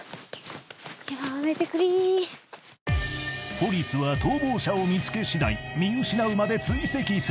［ポリスは逃亡者を見つけしだい見失うまで追跡する］